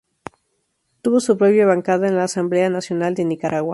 Tuvo su propia bancada en la Asamblea Nacional de Nicaragua.